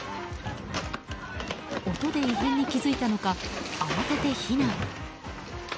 音で、異変に気付いたのか慌てて避難。